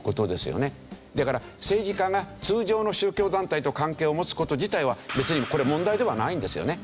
だから政治家が通常の宗教団体と関係を持つ事自体は別にこれ問題ではないんですよね。